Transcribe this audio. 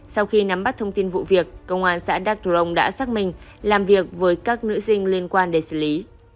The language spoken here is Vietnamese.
sau khi nắm bắt thông tin vụ việc công an xã đắk rồng đã xác minh làm việc với các nữ sinh liên quan để xử lý